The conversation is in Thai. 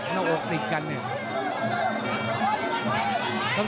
แล้วโอกติดกันเอง